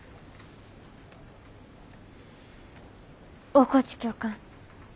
大河内教官。